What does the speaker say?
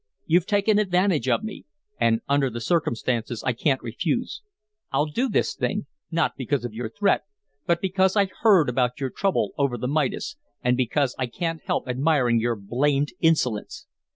You've taken advantage of me, and under the circumstances I can't refuse. I'll do this thing not because of your threat, but because I heard about your trouble over the Midas and because I can't help admiring your blamed insolence."